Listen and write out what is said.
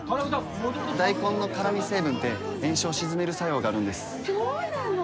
大根の辛み成分って炎症を鎮める作用があるんですそうなの？